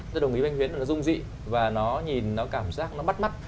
tôi đồng ý với anh huyến là nó dung dị và nó nhìn nó cảm giác nó bắt mắt